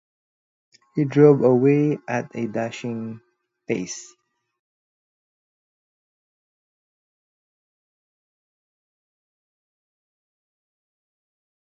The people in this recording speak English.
He drove away at a dashing pace.